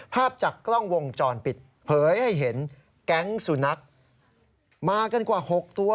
ภาพจากกล้องวงจรปิดเผยให้เห็นแก๊งสุนัขมากันกว่า๖ตัว